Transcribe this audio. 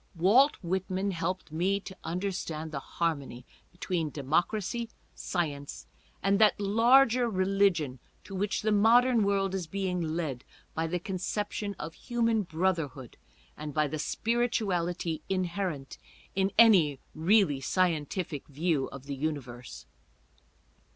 Walt Whitman helped me to understand the harmony between democracy, science, and that larger religion to which the modern world is being led by the conception of human brotherhood and by the spirituality inherent in any really scientific view of the universe.